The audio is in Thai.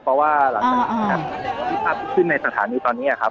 เพราะว่าขึ้นในสถานีตอนนี้ครับ